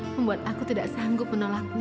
membuat aku tidak sanggup menolaknya